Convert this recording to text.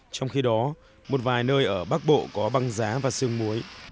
trong khi đó một vài nơi ở bắc bộ có băng giá và sương muối